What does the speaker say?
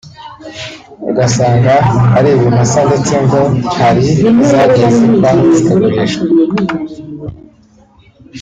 ugasanga ari ibimasa ndetse ngo hari n’izagiye zipfa zikagurishwa